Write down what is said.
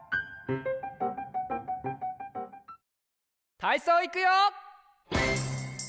たいそういくよ！